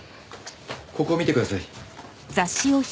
ここ見てください。